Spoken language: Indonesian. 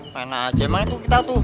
mana aja emang itu kita tuh